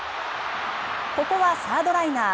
ここはサードライナー。